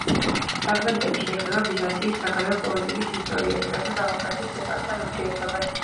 ფრაგმენტები შეეხება ბიზანტიის საგარეო პოლიტიკის ისტორიას, კერძოდ, აღმოსავლეთის ქვეყნებთან ურთიერთობას.